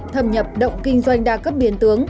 thâm nhập động kinh doanh đa cấp biến tướng